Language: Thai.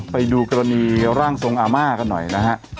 ไปดูกรณีร่างทรงอาม่ากันหน่อยนะฮะ